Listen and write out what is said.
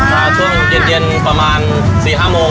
มาช่วงเย็นประมาณสี่ห้ามง